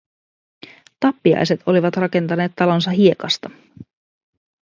Tappiaiset olivat rakentaneet talonsa hiekasta.